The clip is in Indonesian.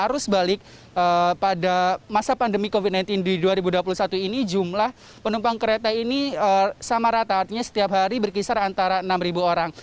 jadi arus balik pada masa pandemi covid sembilan belas di dua ribu dua puluh satu ini jumlah penumpang kereta ini sama rata artinya setiap hari berkisar antara enam ribu orang